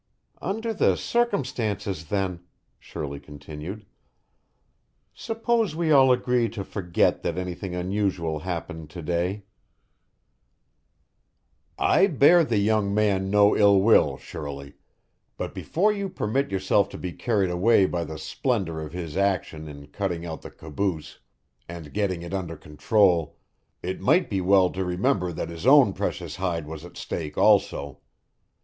"Under the circumstances, then," Shirley continued, "suppose we all agree to forget that anything unusual happened to day " "I bear the young man no ill will, Shirley, but before you permit yourself to be carried away by the splendour of his action in cutting out the caboose and getting it under control, it might be well to remember that his own precious hide was at stake also.